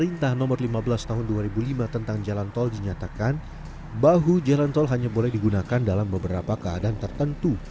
perintah nomor lima belas tahun dua ribu lima tentang jalan tol dinyatakan bahu jalan tol hanya boleh digunakan dalam beberapa keadaan tertentu